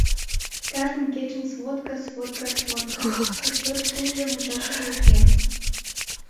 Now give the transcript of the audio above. Кажне кечын сводка, сводка, сводка... отчет, тӱҥжӧ-мучашыже уке.